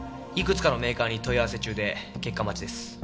いくつかのメーカーに問い合わせ中で結果待ちです。